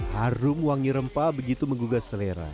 harum wangi rempah begitu menggugah selera